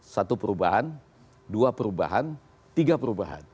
satu perubahan dua perubahan tiga perubahan